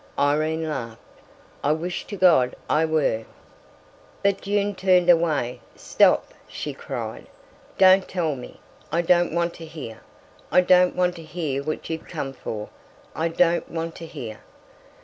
Irene laughed: "I wish to God I were!" But June turned away: "Stop!" she cried, "don't tell me! I don't want to hear! I don't want to hear what you've come for. I don't want to hear!"